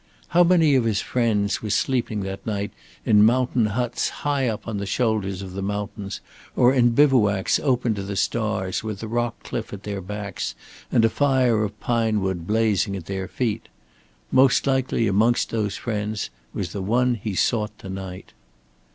How many of his friends were sleeping that night in mountain huts high up on the shoulders of the mountains or in bivouacs open to the stars with a rock cliff at their backs and a fire of pine wood blazing at their feet. Most likely amongst those friends was the one he sought to night.